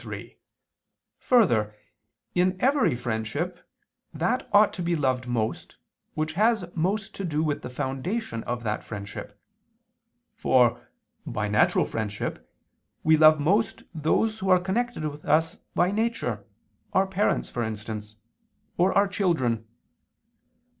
3: Further, in every friendship, that ought to be loved most which has most to do with the foundation of that friendship: for, by natural friendship we love most those who are connected with us by nature, our parents for instance, or our children.